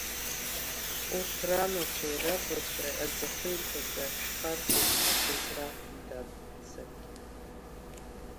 Урҭ ранацәеи рабацәеи аӡахәеиқәаҵәа шәхарҵеит ҳәа сызраҳәом, дад, саргьы.